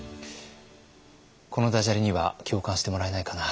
このダジャレには共感してもらえないかな。